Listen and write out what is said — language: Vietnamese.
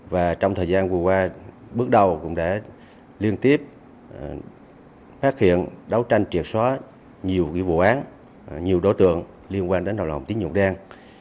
và trong thời gian vừa qua bước đầu cũng đã liên tiếp phát hiện đấu tranh triệt xóa nhiều vụ án nhiều đối tượng liên quan đến hoạt động tín dụng đen